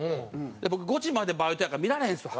「僕５時までバイトやから見られへんですわ」。